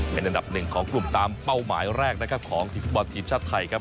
เป็นอันดับหนึ่งของกลุ่มตามเป้าหมายแรกนะครับของทีมฟุตบอลทีมชาติไทยครับ